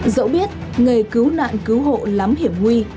dẫu biết nghề cứu nạn cứu hộ lắm hiểm nguy